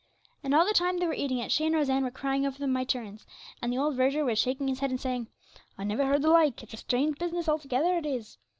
And all the time they were eating it she and Rose Ann were crying over them by turns, and the old verger was shaking his head and saying: 'I never heard the like; it's a strange business altogether, it is.'